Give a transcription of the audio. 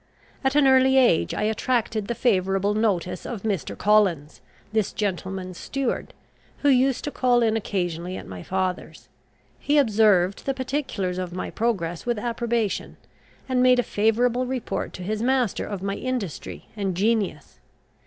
At an early age I attracted the favourable notice of Mr. Collins, this gentleman's steward, who used to call in occasionally at my father's. He observed the particulars of my progress with approbation, and made a favourable report to his master of my industry and genius.